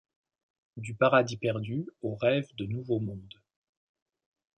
Du paradis perdu aux rêves de nouveau monde.